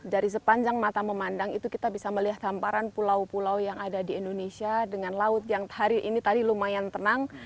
dari sepanjang mata memandang itu kita bisa melihat hamparan pulau pulau yang ada di indonesia dengan laut yang hari ini tadi lumayan tenang